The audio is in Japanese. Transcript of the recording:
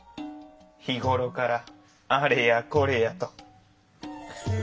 日頃からあれやこれやと。